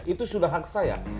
itu sudah hak saya